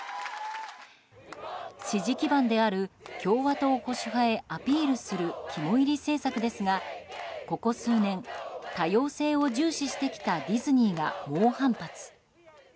支持基盤である共和党保守派へアピールする肝煎り政策ですがここ数年、多様性を重視してきたディズニーが猛反発。